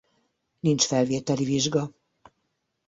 Nincs felvételi vizsga.